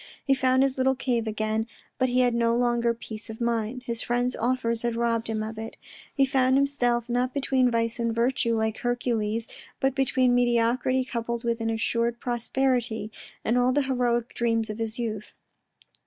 He found his little cave again, but he had no longer peace of mind. His friend's offers had robbed him of it. He found himself, not between ^ice and virtue, like Hercules, but between mediocrity coupled with an assured prosperity, and all the heroic dreams of his youth.